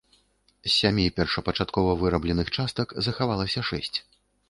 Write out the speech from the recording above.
З сямі першапачаткова вырабленых частак захаваліся шэсць.